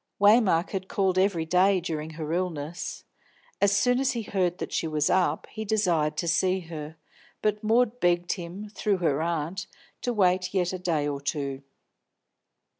Waymark had called every day during her illness. As soon as he heard that she was up, he desired to see her, but Maud begged him, through her aunt, to wait yet a day or two.